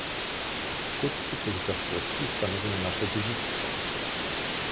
Skutki tych zaszłości stanowią nasze dziedzictwo